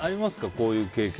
こういう経験。